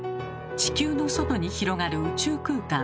地球の外に広がる宇宙空間。